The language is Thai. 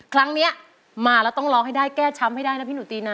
ครั้งนี้มาแล้วต้องร้องให้ได้แก้ช้ำให้ได้นะพี่หนูตีนะ